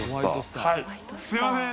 すいません